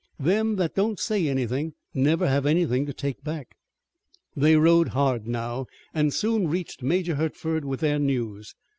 Them that don't say anything never have anything to take back." They rode hard now, and soon reached Major Hertford with their news.